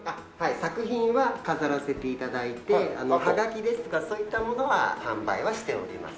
作品は飾らせて頂いてはがきですとかそういったものは販売はしております。